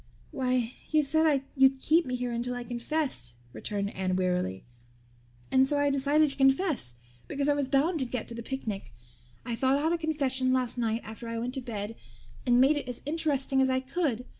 "Why, you said you'd keep me here until I confessed," returned Anne wearily, "and so I decided to confess because I was bound to get to the picnic. I thought out a confession last night after I went to bed and made it as interesting as I could.